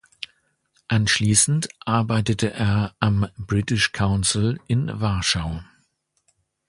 Anschließend arbeitete er am British Council in Warschau.